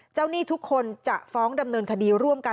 หนี้ทุกคนจะฟ้องดำเนินคดีร่วมกัน